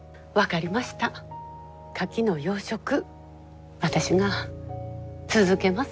カキの養殖私が続けます。